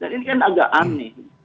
dan ini kan agak aneh